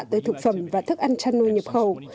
tới thực phẩm và thức ăn chăn nuôi nhập khẩu